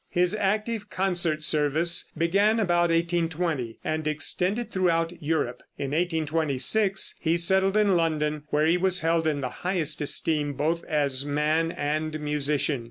His active concert service began about 1820, and extended throughout Europe. In 1826 he settled in London, where he was held in the highest esteem, both as man and musician.